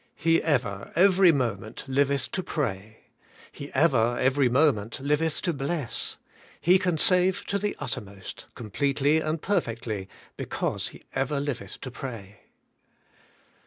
He ever, every moment, liveth to pray. He ever, every moment, liveth to bless. He can save to the uttermost, completely and perfectly, because He ever liveth to pray.